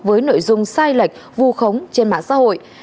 với nội dung sai lệch vu khống trên mạng xã hội